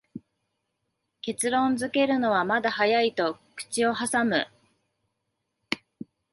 結論づけるのはまだ早いと口をはさむ